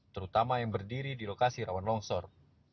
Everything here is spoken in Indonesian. terutama yang berdiri di lokasi rawan longsor